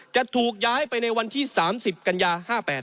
จะถูกย้ายไปในวันที่๓๐กันยา๕๘